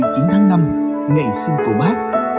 một mươi chín tháng năm ngày sinh của bác